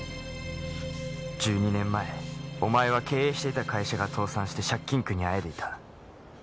１２年前お前は経営してた会社が倒産して借金苦にあえいでいた。